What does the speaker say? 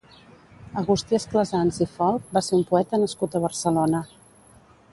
Agustí Esclasans i Folch va ser un poeta nascut a Barcelona.